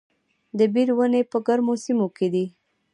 د بیر ونې په ګرمو سیمو کې دي؟